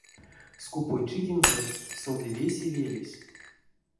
Скупойчидензэ соды весе велесь.